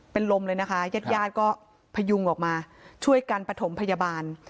เป็นลมเลยนะคะญาติญาติก็พยุงออกมาช่วยกันประถมพยาบาล